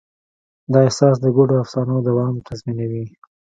دا احساس د ګډو افسانو دوام تضمینوي.